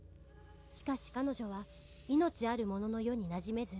「しかし彼女は命ある者の世になじめず」